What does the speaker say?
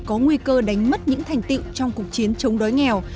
có nguy cơ đánh mất những thành tiệu trong cuộc chiến chống đói nghèo